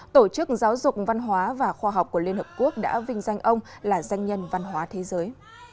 tổ chức giáo dục văn hóa và khoa học của liên hợp quốc đã vinh danh ông là danh nhân văn hóa thế giới